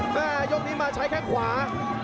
แม่ยกนี้มาใช้แค่ขวา